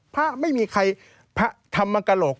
พระไม่มีใครพระธรรมกะโหลก